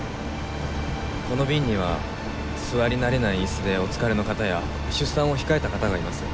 この便には座り慣れない椅子でお疲れの方や出産を控えた方がいます。